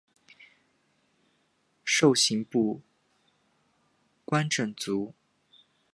授刑部观政卒。